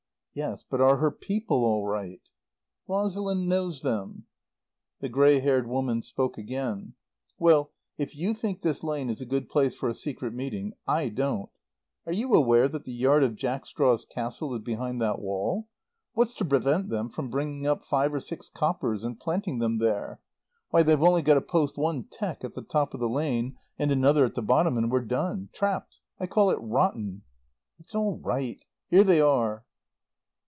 "Yes, but are her people all right?" "Rosalind knows them." The grey haired woman spoke again. "Well, if you think this lane is a good place for a secret meeting, I don't. Are you aware that the yard of `Jack Straw's Castle' is behind that wall? What's to prevent them bringing up five or six coppers and planting them there? Why, they've only got to post one 'tee at the top of the lane, and another at the bottom, and we're done. Trapped. I call it rotten." "It's all right. Here they are."